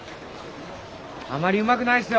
あんまりうまくないっすよ。